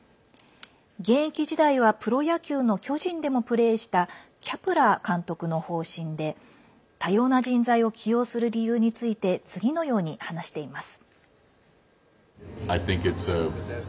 現役時代はプロ野球の巨人でもプレーしたキャプラー監督の方針で多様な人材を起用する理由について次のように話しています。